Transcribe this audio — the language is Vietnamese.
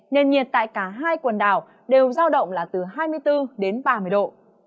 nền nhiệt tại cả hai quần đảo đều giao động là từ hai mươi bốn đến ba mươi độ